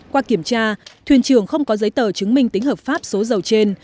qua kiểm tra thuyền trưởng không có giấy tờ chứng minh tính hợp pháp số dầu trên